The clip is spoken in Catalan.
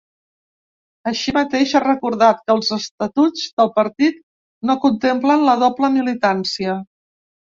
Així mateix, ha recordat que els estatuts del partit no contemplen la doble militància.